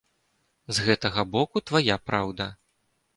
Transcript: З гэтага боку твая праўда.